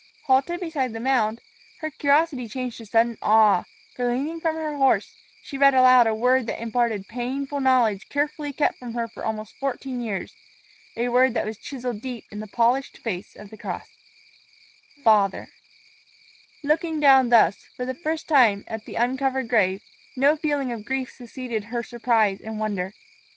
Halted beside the mound, her curiosity changed to sudden awe; for, leaning from her horse, she read aloud a word that imparted painful knowledge carefully kept from her for almost fourteen years, a word that was chiseled deep into the polished face of the cross: FATHER Looking down thus, for the first time, at the uncovered grave, no feeling of grief succeeded her surprise and wonder.